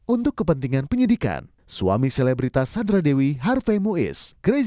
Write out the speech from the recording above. untuk kepentingan penyidikan suami selebritas sandra dewi harvey muiz